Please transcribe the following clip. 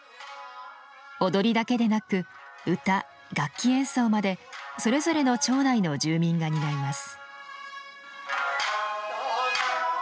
踊りだけでなく唄楽器演奏までそれぞれの町内の住民が担います。